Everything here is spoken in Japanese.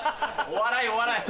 お笑いお笑い。